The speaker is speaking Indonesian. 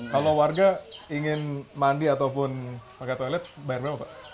kalau warga ingin mandi ataupun pakai toilet bayar berapa pak